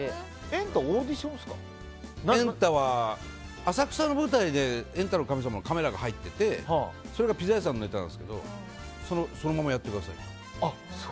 「エンタ」は浅草の舞台で「エンタの神様」のカメラが入っててそれがピザ屋さんのネタなんですけどそのままやってくださいって。